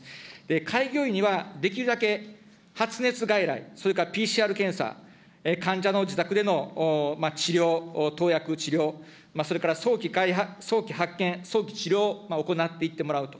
開業医にはできるだけ発熱外来、それからＰＣＲ検査、患者の自宅での治療、投薬、治療、それから早期発見、早期治療を行っていってもらうと。